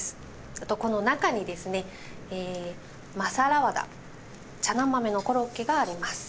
あとこの中にですねマサラワダチャナ豆のコロッケがあります。